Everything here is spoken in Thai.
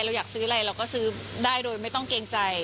เราอยากซื้ออะไรเราก็ซื้อได้โดยไม่ต้องเกรงใจ